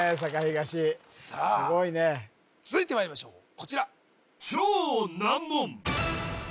東すごいねさあ続いてまいりましょうこちら